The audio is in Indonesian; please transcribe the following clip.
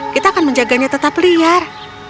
kita akan menjaganya tetap liar